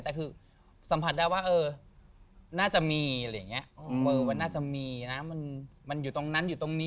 แต่คือสัมผัสได้ว่าน่าจะมีมันอยู่ตรงนั้นอยู่ตรงนี้